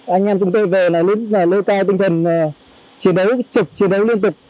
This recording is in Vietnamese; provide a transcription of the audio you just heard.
anh em chúng tôi về là lơi cao tinh thần chiến đấu trực chiến đấu liên tục